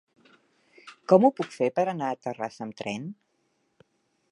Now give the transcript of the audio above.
Com ho puc fer per anar a Terrassa amb tren?